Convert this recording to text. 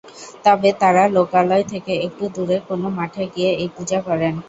তবে তারা লোকালয় থেকে একটু দূরে কোনো মাঠে গিয়ে এই পূজা করেন।